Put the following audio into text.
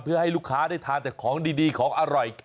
เพื่อให้ลูกค้าได้ทานแต่ของดีของอร่อย